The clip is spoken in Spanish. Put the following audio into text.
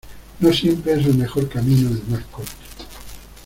No siempre es el mejor camino el más corto.